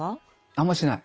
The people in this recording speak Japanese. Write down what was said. あんましない。